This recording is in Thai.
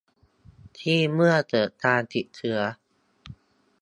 ที่เมื่อเกิดการติดเชื้อ